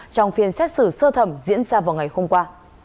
trong phiên xét xử sơ thẩm diễn ra vào ngày hôm qua